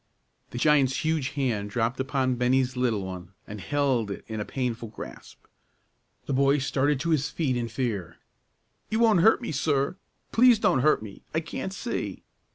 The giant's huge hand dropped upon Bennie's little one, and held it in a painful grasp. The boy started to his feet in fear. "You won't hurt me, sir! Please don't hurt me; I can't see!"